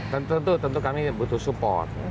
tentu tentu kami butuh support